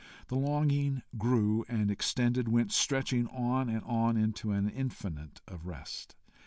The longing grew and extended went stretching on and on into an infinite of rest.